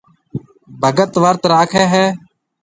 ڀگت ورت راکيَ هيَ۔